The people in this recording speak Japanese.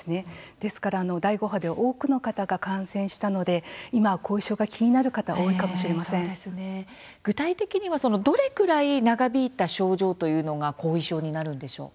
ですから第５波で多くの方が感染したので今、後遺症が気になる方具体的には、どのぐらい長引いた症状というのが後遺症になるんでしょうか？